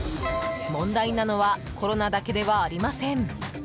問題なのはコロナだけではありません。